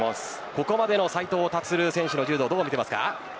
ここまでの斉藤立選手の柔道はどうみていますか。